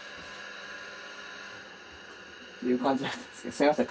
すいません。